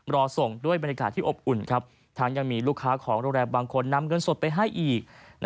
รอส่งด้วยบรรยากาศที่อบอุ่นครับทั้งยังมีลูกค้าของโรงแรมบางคนนำเงินสดไปให้อีก